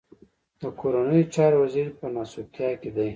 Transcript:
د کورنيو چارو وزير په ناسوبتيا کې دی.